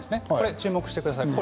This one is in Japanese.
注目してください。